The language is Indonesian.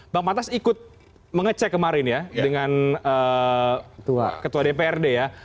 bang pantas ikut mengecek kemarin ya dengan ketua dprd ya